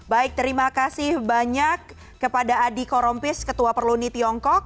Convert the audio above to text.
baik terima kasih banyak kepada adi korompis ketua perluni tiongkok